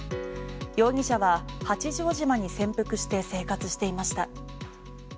容疑者は八丈島に潜伏して生活していました。